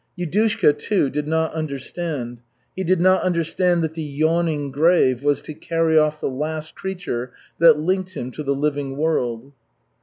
Yudushka, too, did not understand. He did not understand that the yawning grave was to carry off the last creature that linked him to the living world.